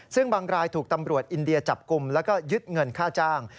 ซึ่งบางรายถูกตำรวจอินเดียจับกลุ่มแล้วก็ยึดเงินค่าจ้าง